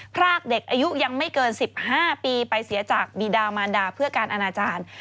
พรากเด็กอายุยังไม่เกิน๑๕ปีไปเสียจากบีดามานดาเพื่อการอนาจารย์